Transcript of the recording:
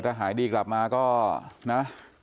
ถ้าหายดีกลับมาก็นะ